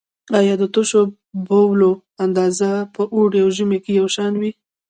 آیا د تشو بولو اندازه په اوړي او ژمي کې یو شان وي؟